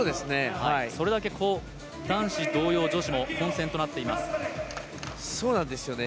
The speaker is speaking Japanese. それだけ、男子同様女子も混戦となっています。